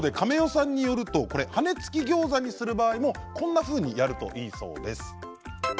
さんによると羽根付きギョーザにする場合もこんなふうにやるといいそうです。